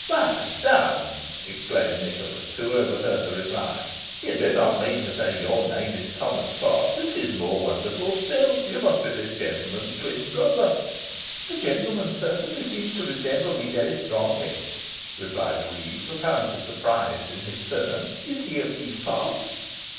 "Why, zounds!" exclaimed Nicholas, who overheard the reply, "you do not mean to say your name is Thomas Potts? This is more wonderful still. You must be this gentleman's twin brother." "The gentleman certainly seems to resemble me very strongly," replied the reeve, apparently surprised in his turn. "Is he of these parts?"